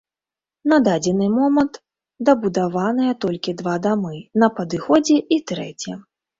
На дадзены момант дабудаваныя толькі два дамы, на падыходзе і трэці.